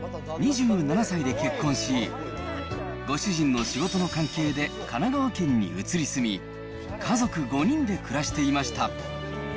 ２７歳で結婚し、ご主人の仕事の関係で神奈川県に移り住み、家族５人で暮らしていました。